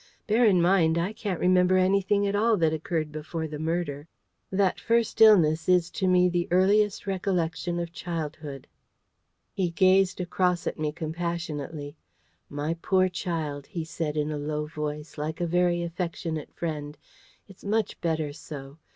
Bear in mind, I can't remember anything at all that occurred before the murder. That first illness is to me the earliest recollection of childhood." He gazed across at me compassionately. "My poor child," he said in a low voice, like a very affectionate friend, "it's much better so.